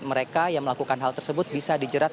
mereka yang melakukan hal tersebut bisa dijerat